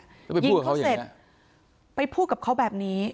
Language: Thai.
ยิงเขาเสร็จไปพูดกับเขาแบบนี้